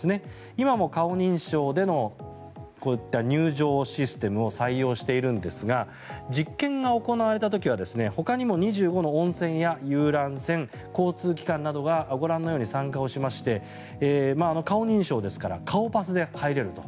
今も顔認証でのこういった入場システムを採用しているんですが実験が行われた時はほかにも２５の温泉や遊覧船交通機関などがご覧のように参加しまして顔認証ですから顔パスで入れると。